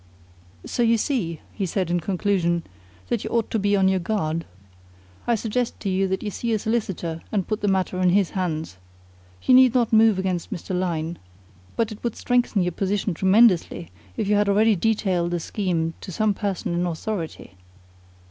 "So you see," he said in conclusion, "that you ought to be on your guard. I suggest to you that you see a solicitor and put the matter in his hands. You need not move against Mr. Lyne, but it would strengthen your position tremendously if you had already detailed the scheme to some person in authority."